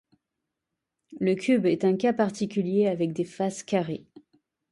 Le cube est un cas particulier avec des faces carrées.